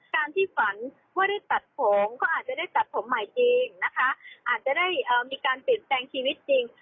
การที่ฝันว่าได้ตัดผมก็อาจจะได้ตัดผมใหม่จริงนะคะอาจจะได้มีการเปลี่ยนแปลงชีวิตจริง